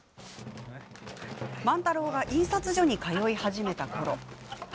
万太郎が印刷所に通い始めた頃。